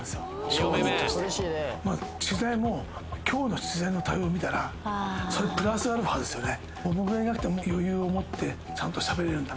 商人として取材も今日の取材の対応見たらそれプラスアルファですよね